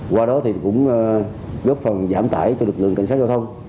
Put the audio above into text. qua đó thì cũng góp phần giảm tải cho lực lượng cảnh sát giao thông